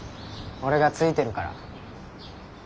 俺がついてるから。